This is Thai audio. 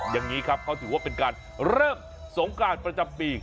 อย่างนี้ครับเขาถือว่าเป็นการเริ่มสงการประจำปี